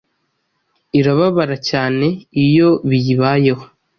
irababara cyane iyo biyibayeho